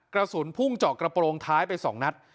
กระสุนพุ่งเจาะกระโปรงท้ายไป๒นัด